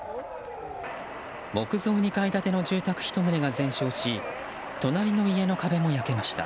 木造２階建ての住宅１棟が全焼し隣の家の壁も焼けました。